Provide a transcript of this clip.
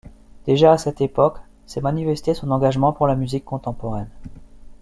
Déjà à cette époque, s'est manifesté son engagement pour la musique contemporaine.